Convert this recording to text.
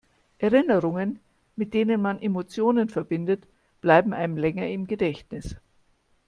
Erinnerungen, mit denen man Emotionen verbindet, bleiben einem länger im Gedächtnis.